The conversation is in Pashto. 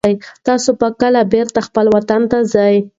تاسو به کله بېرته خپل وطن ته ځئ؟